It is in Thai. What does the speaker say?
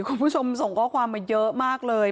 คุณผู้ชมส่งข้อความมาเยอะมากเลย